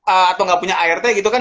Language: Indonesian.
atau nggak punya art gitu kan